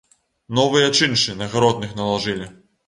Новыя чыншы на гаротных налажылі.